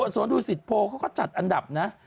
สวนดูสิตโพเขาก็จัดอันดับนะ